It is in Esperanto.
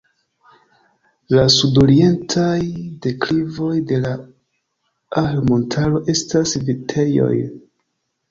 La sudorientaj deklivoj de la Ahr-montaro estas vitejoj.